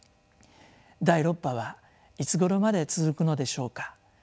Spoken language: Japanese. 第６波はいつごろまで続くのでしょうか。